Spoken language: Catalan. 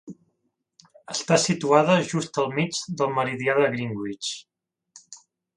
Està situada just al mig del meridià de Greenwich.